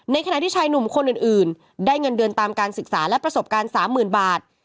ขณะที่ชายหนุ่มคนอื่นได้เงินเดือนตามการศึกษาและประสบการณ์๓๐๐๐บาท